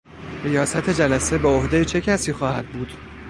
ریاست جلسه به عهده چه کسی خواهد بود؟